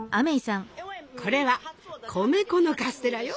これは米粉のカステラよ。